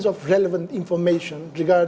segala jenis informasi yang relevan